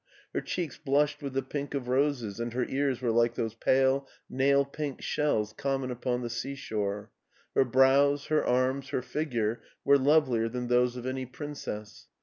Her cheeks blushed with the pink of roses and her cars were like those pale, nail pink shells common upon the seashore. Her brows, her arms, her figure w^re lovelier than those of any princess.